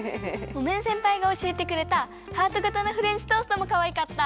モメンせんぱいがおしえてくれたハートがたのフレンチトーストもかわいかった！